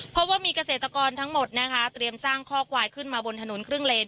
เพราะว่ามีเกษตรกรทั้งหมดนะคะเตรียมสร้างคอกควายขึ้นมาบนถนนครึ่งเลน